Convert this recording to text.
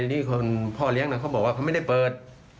นี่คนพ่อเลี้ยงเขาบอกว่าเขาไม่ได้เปิด